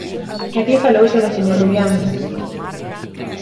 E aquí falouse do señor Rubiáns.